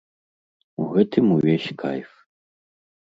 У гэтым увесь кайф!